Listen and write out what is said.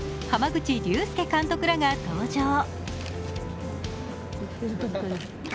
濱口竜介監督らが登場。